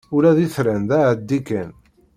Ula d itran d aɛeddi kan.